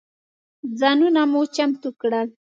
ځانونه مو چمتو کړل.